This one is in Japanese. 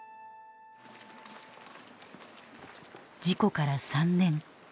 事故から３年。